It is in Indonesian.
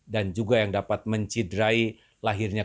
dan juga yang dapat mencidrai lahirnya kpu